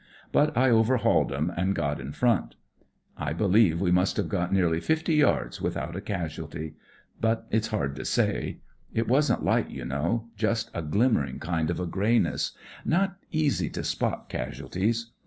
But I overhauled 'em, and got in front. "I beUeve we must have got nearly fifty yards without a casualty. But it's hard to say. It wasn't light, you know ; just a glimmering kind of a greyness. Not easy to spot casualties.